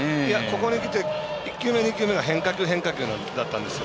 ここにきて１球目、２球目が変化球、変化球だったんです。